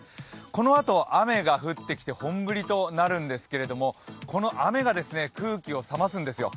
このあと雨が降ってきて本降りとなるんですけれども、この雨が空気を冷ますんですよ。